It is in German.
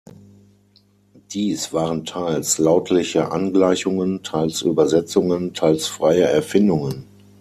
Dies waren teils lautliche Angleichungen, teils Übersetzungen, teils freie Erfindungen.